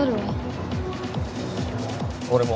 俺も。